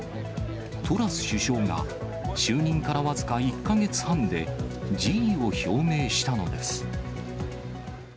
トラス首相が、就任から僅か１か月半で、辞意を表明したのです。